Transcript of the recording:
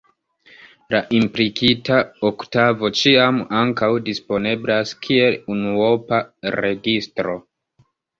La implikita oktavo ĉiam ankaŭ disponeblas kiel unuopa registro.